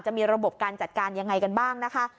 จะมีระบบการจัดการยังไงกันบ้างนะคะ